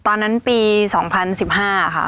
ตอนนั้นปีสองพันสิบห้าค่ะ